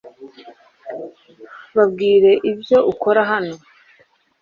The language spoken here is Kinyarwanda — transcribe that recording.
Babwire ibyo ukora hano .